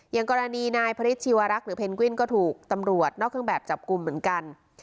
อย่างกรณีนายพระฤทธิวรักษ์หรือเพนกวินก็ถูกตำรวจนอกเครื่องแบบจับกลุ่มเหมือนกัน